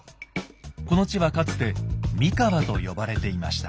この地はかつて三河と呼ばれていました。